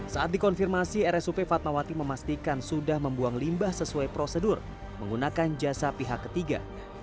saat dikonfirmasi rsup fatmawati memastikan sudah membuang limbah sesuai prosedur menggunakan jasa pihak ketiga